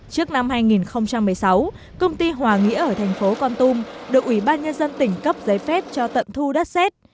trước năm hai nghìn một mươi sáu công ty hòa nghĩa ở thành phố con tum được ủy ban nhân dân tỉnh cấp giấy phép cho tận thu đất xét